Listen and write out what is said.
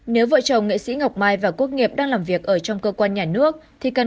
nếu vợ chồng nghệ sĩ ngọc mai và quốc nghiệp đang làm việc ở trong cơ quan nhà nước